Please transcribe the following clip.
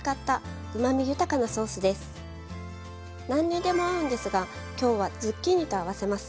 何にでも合うんですが今日はズッキーニと合わせます。